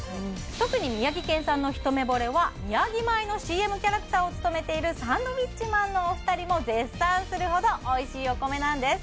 特に宮城県産のひとめぼれはみやぎ米のＣＭキャラクターを務めているサンドウィッチマンのお二人も絶賛するほどおいしいお米なんです